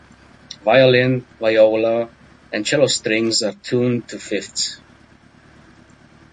Violin, viola, and cello strings are tuned to fifths.